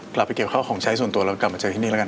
กลับไปเก็บข้าวของใช้ส่วนตัวเรากลับมาเจอที่นี่แล้วกัน